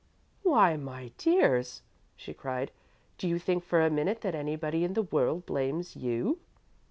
"Why, my dears!" she cried. "Do you think for a minute that anybody in the world blames you?"